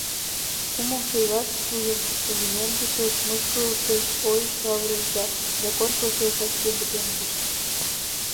Кумлымшо ийлаште тудым лӱмедышыш, мыскылтыш ойыш савырышт да закон почешак пеҥгыдемдышт.